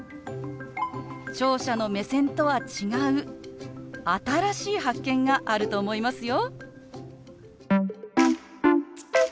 聴者の目線とは違う新しい発見があると思いますよ。